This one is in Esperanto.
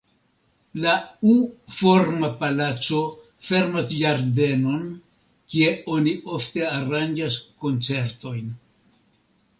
La U-forma palaco fermas ĝardenon, kie oni ofte aranĝas koncertojn.